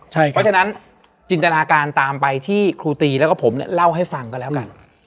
เพราะฉะนั้นจินตนาการตามไปที่ครูตีแล้วก็ผมเล่าให้ฟังก็แล้วกัน